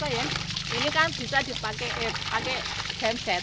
ini kan bisa dipakai pakai jenset